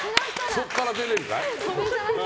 そこから出れるかい？